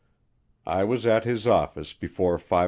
I was at his office before 5:00P.